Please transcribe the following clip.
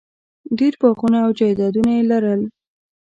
ډېر باغونه او جایدادونه یې لرل.